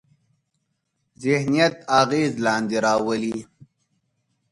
ذهنیت اغېز لاندې راولي.